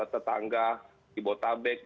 tetangga di botabek